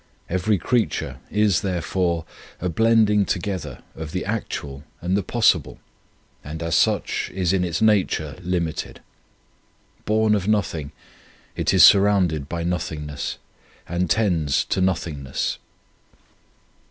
Every creature is, there fore, a blending together of the actual and the possible, and as such is in its nature limited. Born of nothing, it is surrounded by nothingness, and tends to nothing ness.